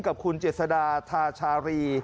กับคุณเจษดาธาชารี